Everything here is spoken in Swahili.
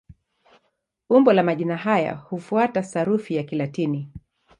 Umbo la majina haya hufuata sarufi ya Kilatini.